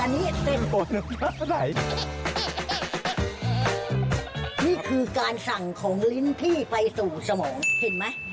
นี่คือการสั่งของลิ้นพี่ไปสู่สมองเห็นไหม